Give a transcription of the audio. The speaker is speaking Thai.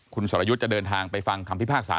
คุณสรยุทธ์จะเดินทางไปฟังคำพิพากษา